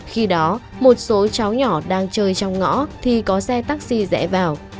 khi đó một số cháu nhỏ đang chơi trong ngõ thì có xe taxi rẽ vào